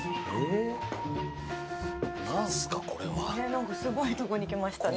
なんかすごいとこに来ましたね。